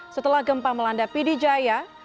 setelah gempa melanda pidijaya